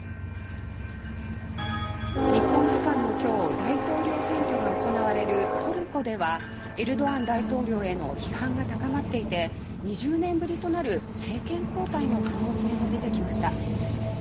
日本時間の今日大統領選挙が行われるトルコではエルドアン大統領への批判が高まっていて２０年ぶりとなる政権交代の可能性も出てきました。